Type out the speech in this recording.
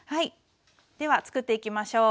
ではつくっていきましょう。